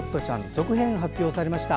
続編が発表されました。